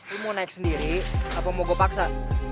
aku mau naik sendiri apa mau gue paksa